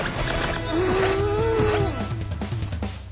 うん。